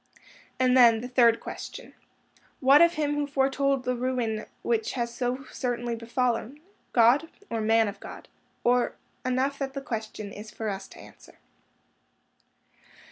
And then the third question, What of him who foretold the ruin which has so certainly befallen? God? Or man of God? Or—enough that the question is for us to answer.